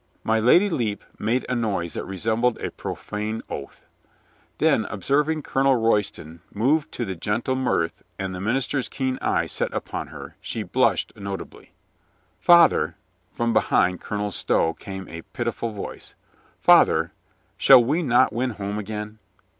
" My Lady Lepe made a noise that resembled a pro fane oath. Then, observJhg Colonel Royston moved to gentle mirth and the minister's keen eyes set upon her, she blushed notably. "Father," — from behind Colonel Stow came a pit iful voice, — "father, shall we not win home again?"